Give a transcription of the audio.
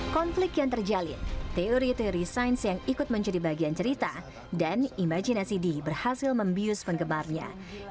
konflik yang terjalin teori teori sains yang ikut menjadi bagian cerita dan imajinasi d berhasil membius penggemarnya